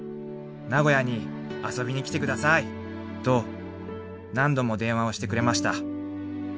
名古屋に遊びに来て下さい！と何度も電話をしてくれました」］